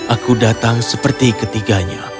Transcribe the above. aku datang seperti ketiganya